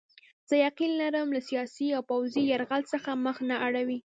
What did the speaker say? زه یقین لرم له سیاسي او پوځي یرغل څخه مخ نه اړوي.